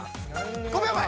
５秒前！